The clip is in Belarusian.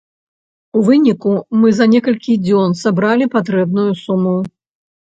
У выніку мы за некалькі дзён сабралі патрэбную суму.